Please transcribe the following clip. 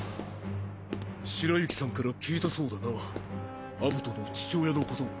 シラユキさんから聞いたそうだなアブトの父親のことを。